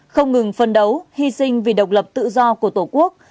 không ngừng phân đấu hy sinh vì độc lập tự do của tổ quốc